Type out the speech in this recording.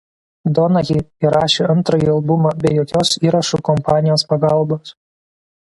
Donaghy įrašė antrąjį albumą be jokios įrašų kompanijos pagalbos.